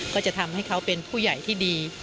ก็จะทำให้เขาเป็นผู้ใหญ่ที่ดี